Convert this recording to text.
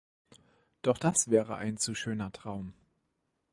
Doch das wäre ein zu schöner Traum.